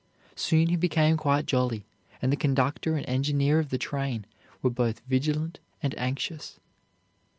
Soon he became quite jolly; but the conductor and engineer of the train were both vigilant and anxious.